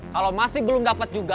kalau masih belum dapat juga